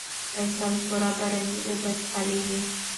فصل پوره باراني اوبه څښلې وې.